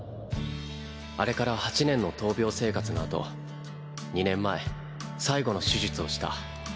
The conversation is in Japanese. あれから８年の闘病生活のあと２年前最後の手術をした。